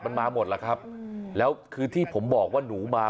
มันมาหมดล่ะครับแล้วคือที่ผมบอกว่าหนูมา